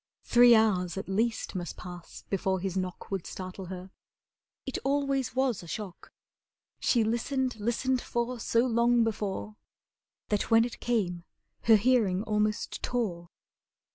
Three hours at least must pass before his knock Would startle her. It always was a shock. She listened listened for so long before, That when it came her hearing almost tore.